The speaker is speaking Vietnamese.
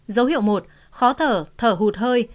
dấu hiệu một khó thở thở hụt hơi